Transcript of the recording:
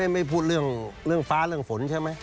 ไม่พูดเรื่องฟ้าเรื่องฝนใช่ไหม